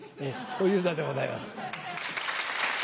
小遊三でございます。